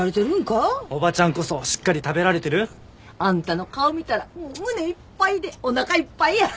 おばちゃんこそしっかり食べられてる？あんたの顔見たら胸いっぱいでおなかいっぱいや。